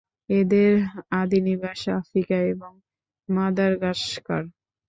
এদের আদিনিবাস আফ্রিকা এবং মাদাগাস্কার।